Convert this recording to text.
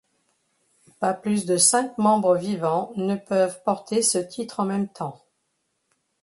Pas plus de cinq membres vivants ne peuvent porter ce titre en même temps.